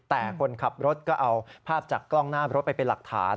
แต่คนขับรถก็เอาภาพจากกล้องหน้ารถไปเป็นหลักฐาน